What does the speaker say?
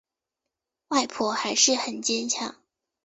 外婆还是很坚强